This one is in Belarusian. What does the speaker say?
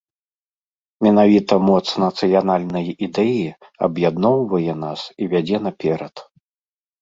Менавіта моц нацыянальнай ідэі аб'ядноўвае нас і вядзе наперад.